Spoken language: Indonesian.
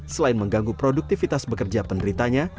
selain mengganggu produktivitas bekerja penderitanya